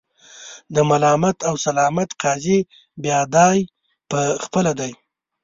د ملامت او سلامت قاضي بیا دای په خپله دی.